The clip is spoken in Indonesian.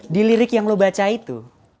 di lirik yang lo baca itu